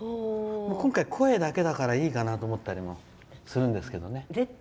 今回、声だけだからいいかなと思ったりもするんですけどね。